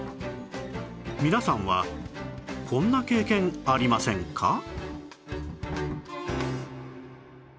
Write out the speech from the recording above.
皆さんはこんな経験ありませんか？